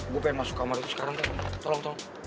gue pengen masuk kamar itu sekarang kak tolong tolong